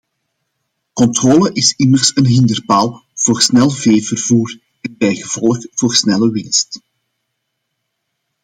Controle is immers een hinderpaal voor snel veevervoer en bijgevolg voor snelle winst.